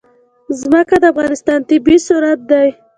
ځمکه د افغانستان طبعي ثروت دی.